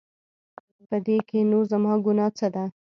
په دې کې نو زما ګناه څه ده؟